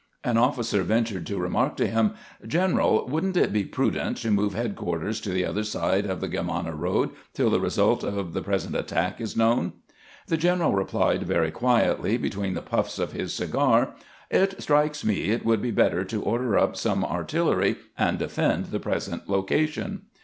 An officer ventured to remark to him, " General, would n't it be prudent to move headquarters to the other side of the Germanna road till the result of the present attack is known?" The general replied very quietly, between the puffs of his cigar, " It strikes me it would be better to order up some artUlery and defend the present location."